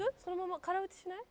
空打ちしない？